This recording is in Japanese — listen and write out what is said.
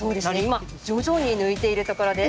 今徐々に抜いているところです。